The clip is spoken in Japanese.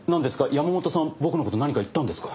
山本さん僕の事何か言ったんですか？